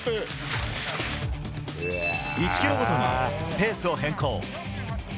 １キロごとにペースを変更。